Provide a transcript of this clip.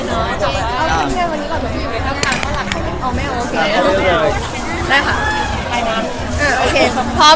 วันนี้เข้าเรื่องเหมือนกัน